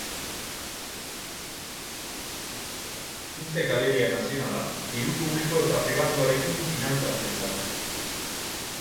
Arte Galeria Nazionala, diru publiko eta pribatuarekin finantzatzen da.